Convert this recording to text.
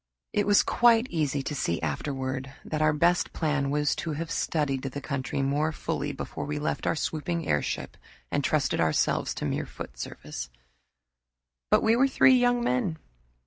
It was quite easy to see afterward that our best plan was to have studied the country more fully before we left our swooping airship and trusted ourselves to mere foot service. But we were three young men.